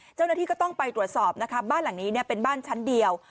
เจ้าหน้าที่ก็ต้องไปตรวจสอบนะคะบ้านหลังนี้เนี่ยเป็นบ้านชั้นเดียว